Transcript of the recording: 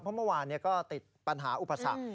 เพราะเมื่อวานก็ติดปัญหาอุปสรรค